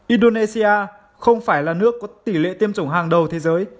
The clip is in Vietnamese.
indonesia không phải là nước có tỷ lệ tiêm chủng hạng